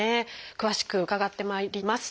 詳しく伺ってまいります。